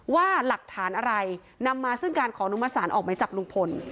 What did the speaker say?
ว่าหลักฐานอะไรนำมาซึ่งการขอนุมสารออกไหมจับลุงพล